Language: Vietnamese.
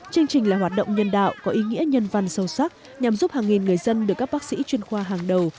chương trình là hoạt động nhân đạo có ý nghĩa nhân văn sâu sắc nhằm giúp hàng nghìn người dân được các bác sĩ chuyên khoa hàng đầu